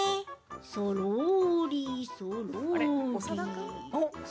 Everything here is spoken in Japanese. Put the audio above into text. そろーり、そろーり。